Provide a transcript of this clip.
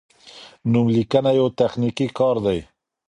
نوملیکنه یو تخنیکي کار دی.